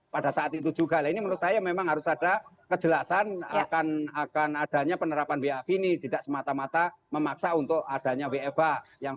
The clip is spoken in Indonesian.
penjelasan akan akan adanya penerapan bwh ini tidak semata mata memaksa untuk adanya bwh yang